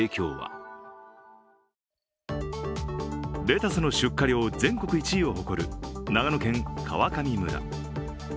レタスの出荷量全国１位を誇る長野県川上村。